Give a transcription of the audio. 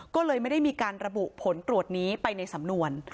ก็เลยไม่ได้มีการระบุผลตรวจนี้ไปในสำนวน